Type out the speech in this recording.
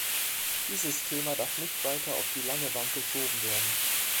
Dieses Thema darf nicht weiter auf die lange Bank geschoben werden.